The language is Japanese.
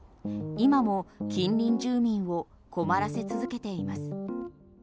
今も近隣住民を困らせ続けています。